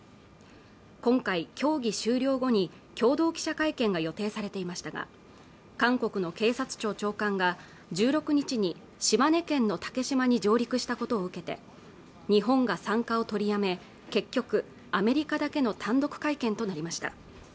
今回協議終了後に共同記者会見が予定されていましたが韓国の警察庁長官が１６日に島根県の竹島に上陸したことを受けて日本が参加を取りやめ結局アメリカだけの単独会見となりました